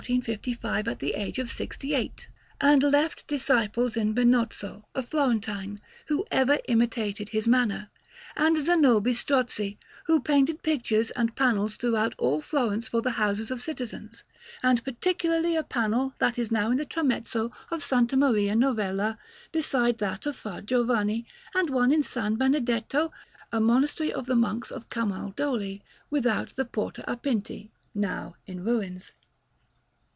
Panel_)] He died in 1455 at the age of sixty eight, and left disciples in Benozzo, a Florentine, who ever imitated his manner, and Zanobi Strozzi, who painted pictures and panels throughout all Florence for the houses of citizens, and particularly a panel that is now in the tramezzo of S. Maria Novella, beside that by Fra Giovanni, and one in S. Benedetto, a monastery of the Monks of Camaldoli without the Porta a Pinti, now in ruins.